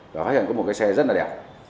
phát hiện là có một cái xe rất là đẹp